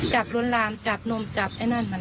จับร้อนรามจับนมจับไอ้นั่นมัน